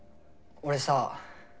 俺さ